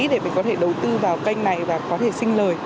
để mình có thể đầu tư vào kênh này và có thể xinh lời